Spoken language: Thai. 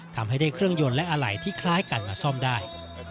ทำให้ได้เครื่องยนต์และอะไหล่ที่คล้ายกันมาซ่อมได้